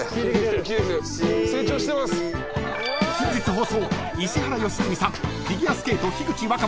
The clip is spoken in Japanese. ［近日放送］